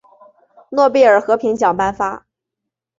诺贝尔和平奖颁发。